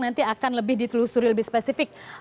nanti akan lebih ditelusuri lebih spesifik